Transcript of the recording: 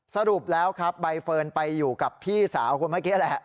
สรุปแล้วครับใบเฟิร์นไปอยู่กับพี่สาวคนเมื่อกี้แหละ